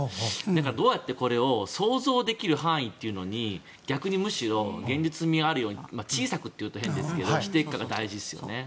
だからどうやってこれを想像できる範囲に逆に現実味があるように小さくというと変ですがそうしていくことが大事ですよね。